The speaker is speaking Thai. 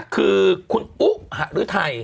คือคุณอุหารือไทย